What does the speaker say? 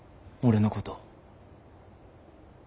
俺のこと。